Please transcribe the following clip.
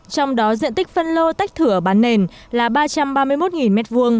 trong đó diện tích phân lô tách thửa bán nền là ba trăm ba mươi một m hai